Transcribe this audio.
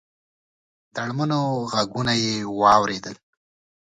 د اړمنو غږونه یې واورېدل.